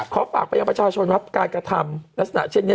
ขอฝากไปยังประชาชนว่าการกระทำลักษณะเช่นนี้